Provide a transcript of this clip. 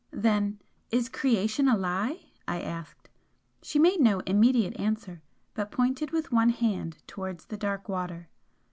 "Then is Creation a lie?" I asked. She made no immediate answer, but pointed with one hand towards the dark water.